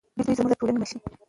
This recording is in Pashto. دی زموږ د ټولنې مشعل دی.